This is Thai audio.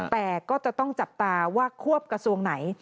แต่ก็จะต้องจับตาว่าควบกระทรวงไหน